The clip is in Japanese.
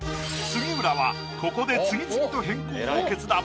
杉浦はここで次々と変更を決断